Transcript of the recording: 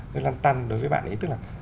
hơi lăn tăn đối với bạn ấy tức là